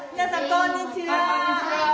こんにちは。